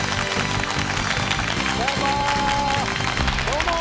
どうも！